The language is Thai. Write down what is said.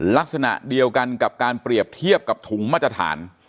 ลักษณะเดียวกันกับการเปรียบเทียบกับถุงมาตรฐาน